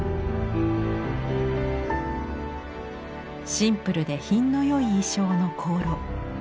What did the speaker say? シンプルで品の良い意匠の香炉。